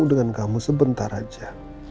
dengan kamu sebentar aja